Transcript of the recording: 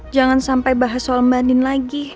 jangan sampai bahas soal mbak din lagi